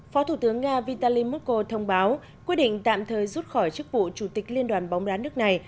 phó thủ tướng nga vitalim muko thông báo quyết định tạm thời rút khỏi chức vụ chủ tịch liên đoàn bóng đá nước này